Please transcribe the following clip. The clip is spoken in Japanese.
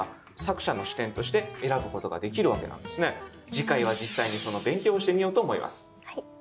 次回は実際にその勉強をしてみようと思います。